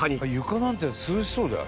床なんて涼しそうだよ。